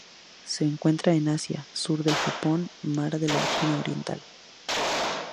Se encuentran en Asia: sur del Japón y Mar de la China Oriental.